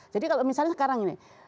jadi kalau misalnya sekarang ini